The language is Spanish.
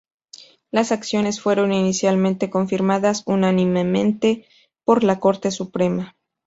Las acciones fueron inicialmente confirmadas unánimemente por la Corte Suprema.